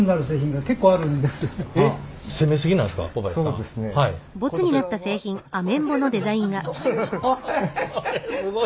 すごい。